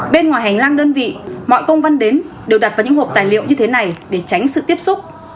bên ngoài hành lang đơn vị mọi công văn đến đều đặt vào những hộp tài liệu như thế này để tránh sự tiếp xúc